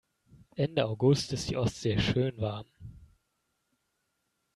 Ende August ist die Ostsee schön warm.